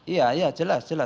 ya ya jelas jelas